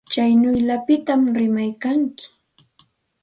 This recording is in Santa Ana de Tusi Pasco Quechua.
Tsaynawllapita rimaykanki.